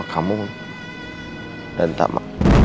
ketemu sama kamu dan tama